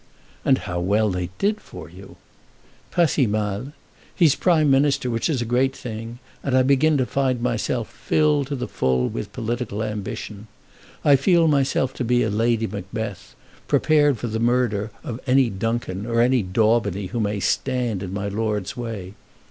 "And how well they did for you!" "Pas si mal. He's Prime Minister, which is a great thing, and I begin to find myself filled to the full with political ambition. I feel myself to be a Lady Macbeth, prepared for the murder of any Duncan or any Daubeny who may stand in my lord's way.